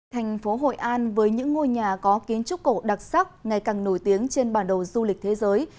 thành phố hội an với những ngôi nhà có kiến trúc cổ đặc sắc ngày càng nổi tiếng trên bản đồ du lịch thế giới